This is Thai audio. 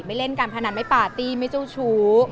เล่นการพนันไม่ปาร์ตี้ไม่เจ้าชู้